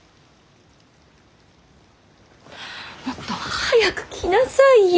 もっと早く来なさいよ！